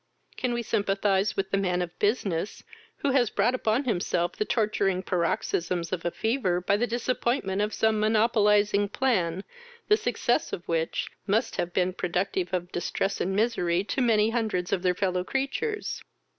Can we sympathize with the man of business, who has brought upon himself the torturing paroxysms of a fever by the disappointment of some monopolizing plan, the success of which must have been productive of distress and misery to many hundreds of their fellow creatures.